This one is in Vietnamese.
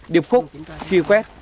điệp khúc truy quét